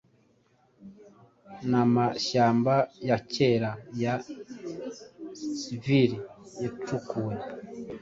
N'amashyamba ya kera ya chivali yacukuwe.